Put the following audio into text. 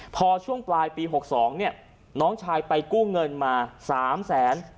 พอช่วงปลายปี๖๒เนี่ยน้องชายไปกู้เงินมา๓แสน